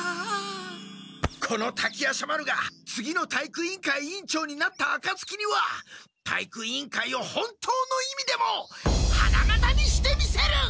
この滝夜叉丸が次の体育委員会委員長になったあかつきには体育委員会を本当の意味でも花形にしてみせる！